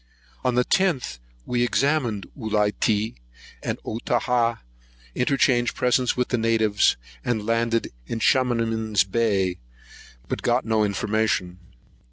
On the 10th, we examined Ulitea and Otaha, interchanged presents with the natives, and landed in Chamanen's Bay; but got no information.